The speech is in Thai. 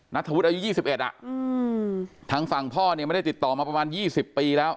นัทธวุฒิอายุ๒๑ทางฝั่งพ่อเนี่ยไม่ได้ติดต่อมาประมาณ๒๐ปีแล้ว